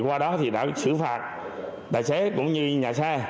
qua đó đã xử phạt đại sế cũng như nhà xe